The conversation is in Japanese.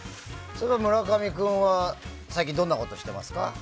村上君は最近どんなことしてますか？